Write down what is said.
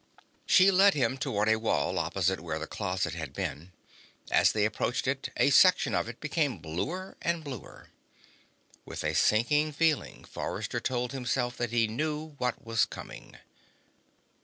She led him toward a wall opposite where the closet had been. As they approached it, a section of it became bluer and bluer. With a sinking feeling, Forrester told himself that he knew what was coming.